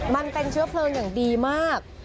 มันเป็นเชื้อเพลิงอย่างดีมาก